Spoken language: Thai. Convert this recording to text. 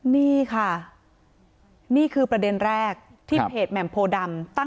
นี่ค่ะนี่คือประเด็นแรกที่เพจแหม่มโพดำตั้ง